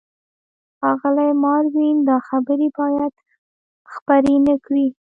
ښاغلی ماروین، دا خبرې باید خپرې نه کړې.